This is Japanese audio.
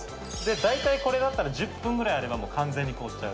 大体これだったら１０分ぐらいあればもう完全に凍っちゃう。